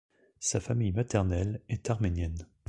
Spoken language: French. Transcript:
Sa famille maternelle est arménienne.